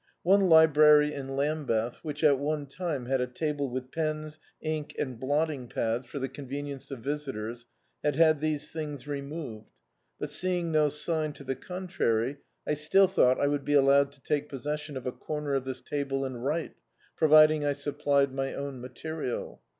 One library in Lambeth, which at one time had a table with pens, ink and blotting pads for the convenience of visitors, had had these things re moved; but seeing no sign to the contrary, I still thought I would be allowed to take possession of a comer of this table and write, providing I sup plied my own material.